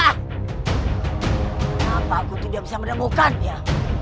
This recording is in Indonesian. kenapa aku tidak bisa menemukannya